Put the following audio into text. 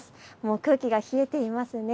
空気が冷えていますね。